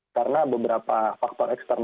karena beberapa faktor yang terjadi di indonesia